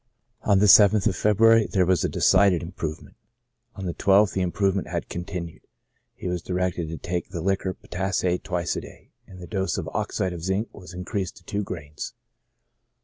On the yth of February there was a decided improvement. On the 12th the im provement had continued ; he was directed to take the liquor potassae twice a day, and the dose of oxide of zinc was increased to two grains.